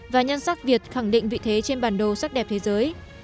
và nhân sắc việt khẳng định vị thế trên bản đồ sắc đẹp thế giới